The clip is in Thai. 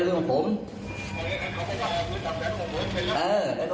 เดี๋ยวฟังนะครับ